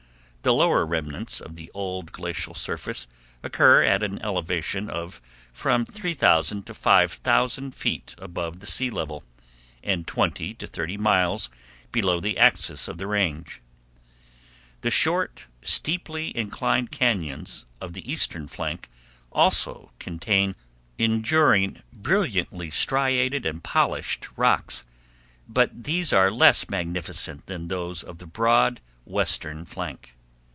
The lower remnants of the old glacial surface occur at an elevation of from 3000 to 5000 feet above the sea level, and twenty to thirty miles below the axis of the Range. The short, steeply inclined cañons of the eastern flank also contain enduring, brilliantly striated and polished rocks, but these are less magnificent than those of the broad western flank.